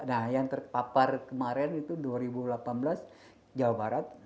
nah yang terpapar kemarin itu dua ribu delapan belas jawa barat